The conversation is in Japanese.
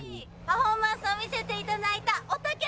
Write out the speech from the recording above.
パフォーマンスを見せていただいたおたけさん。